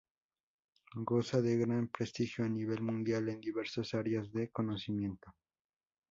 Goza de gran prestigio a nivel mundial en diversas áreas de conocimiento.